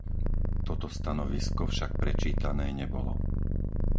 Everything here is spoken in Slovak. Toto stanovisko však prečítané nebolo.